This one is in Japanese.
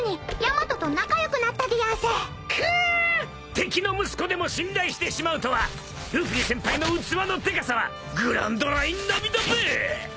敵の息子でも信頼してしまうとはルフィ先輩の器のでかさはグランドライン並みだべ］